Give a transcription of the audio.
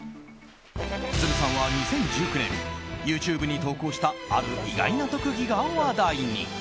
都留さんは２０１９年ＹｏｕＴｕｂｅに投稿したある意外な特技が話題に。